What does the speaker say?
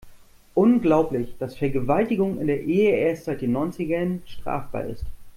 Unglaublich, dass Vergewaltigung in der Ehe erst seit den Neunzigern strafbar ist.